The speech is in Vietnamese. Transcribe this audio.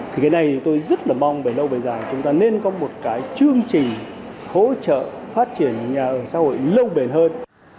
thì cái này tôi rất là mong về lâu về dài chúng ta nên có một cái chương trình hỗ trợ phát triển nhà ở xã hội lâu bền hơn